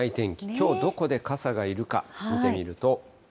きょう、どこで傘がいるか見てみると。